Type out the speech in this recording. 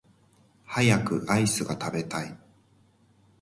早くアイスが食べたい